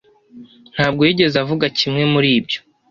ntabwo yigeze avuga kimwe muri ibyo.